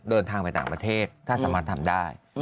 เดินทางไปต่างประเทศถ้าสามารถทำได้